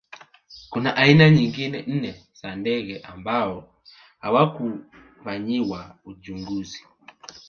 Kuna aina nyingine nne za ndege ambao hawakufanyiwa uchunguzi